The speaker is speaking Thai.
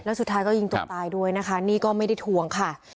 แล้วสุดท้ายก็ยิงตัวตายด้วยนะคะนี่ก็ไม่ได้ทวงค่ะ